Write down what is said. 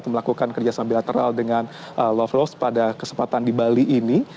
atau melakukan kerjasama bilateral dengan lavrov pada kesempatan di bali ini